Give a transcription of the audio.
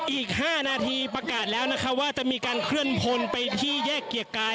อีก๕นาทีประกาศแล้วนะคะว่าจะมีการเคลื่อนพลไปที่แยกเกียรติกาย